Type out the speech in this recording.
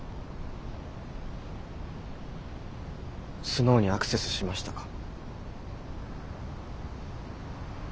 スノウにアクセスしましたか？